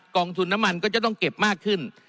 องทุนน้ำมันก็จะต้องเก็บมากขึ้น